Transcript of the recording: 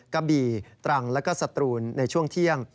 กะบี่ตรังแล้วก็สตรูนในช่วงเที่ยง